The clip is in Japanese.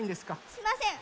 しません。